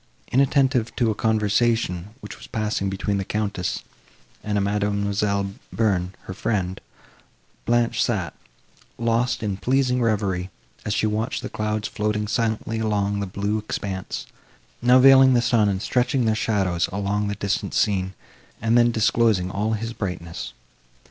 Inattentive to a conversation, which was passing between the Countess and a Mademoiselle Bearn, her friend, Blanche sat, lost in pleasing reverie, as she watched the clouds floating silently along the blue expanse, now veiling the sun and stretching their shadows along the distant scene, and then disclosing all his brightness.